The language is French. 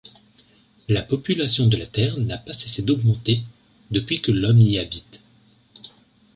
La population de la Terre n’a pas cessé d’augmenter, depuis que l’homme y habite.